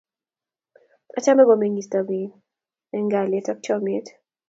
Achame komeng'isot biik eng' kalyet ak chomiet